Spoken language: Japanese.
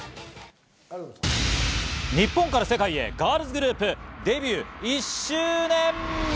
日本から世界へ、ガールズグループデビュー１周年。